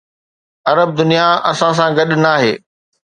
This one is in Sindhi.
عرب دنيا اسان سان گڏ ناهي.